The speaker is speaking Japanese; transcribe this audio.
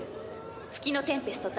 月のテンペスト対